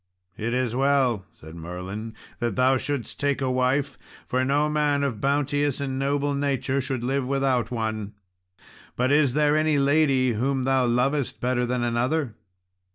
"It is well," said Merlin, "that thou shouldst take a wife, for no man of bounteous and noble nature should live without one; but is there any lady whom thou lovest better than another?"